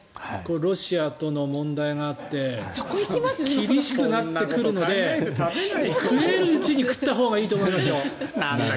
ロシアとの問題があって厳しくなってくるので食えるうちに食ったほうがいいと思いますよ。